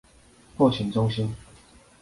後勤中心